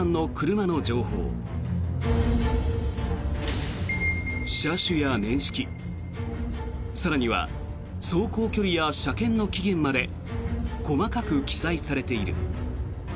車種や年式更には走行距離や車検の期限まで細かく記載されている。